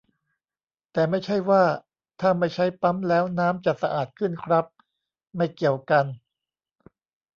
แต่ไม่ใช่ว่า ถ้าไม่ใช้ปั๊มแล้วน้ำจะสะอาดขึ้นครับ ไม่เกี่ยวกัน